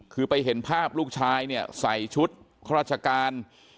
คือไปเห็นภาพลูกชายเนี่ยใส่ชุดข้าราชการ